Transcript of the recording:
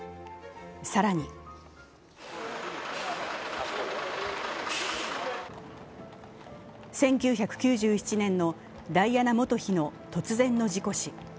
更に１９９７年のダイアナ元妃の突然の事故死。